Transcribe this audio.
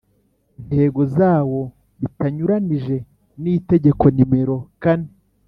ntego zawo bitanyuranije n Itegeko nimero kane